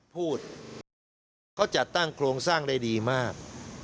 พูดเขาจัดตั้งโครงสร้างได้ดีมาก